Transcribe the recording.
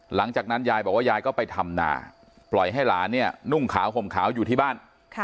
หลังจากนั้นยายบอกว่ายายก็ไปทำนาปล่อยให้หลานเนี่ยนุ่งขาวห่มขาวอยู่ที่บ้าน